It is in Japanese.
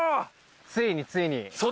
ついについに。